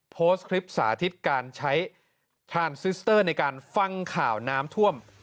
โพสต์คลิปสาธิตการใช้พรานซิสเตอร์ในการฟังข่าวน้ำท่วม